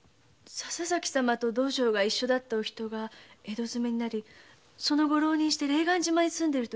笹崎様と道場で一緒だったお人が江戸詰めになりその後浪人して霊岸島に住んでいるとか。